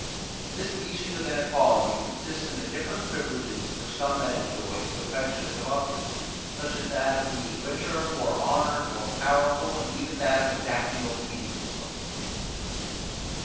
This species of inequality consists in the different privileges, which some men enjoy, to the prejudice of others, such as that of being richer, more honoured, more powerful, and even that of exacting obedience from them.